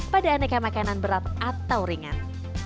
pada aneka makanan berat atau ringan